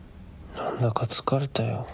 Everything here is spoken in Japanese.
なんだか疲れたよ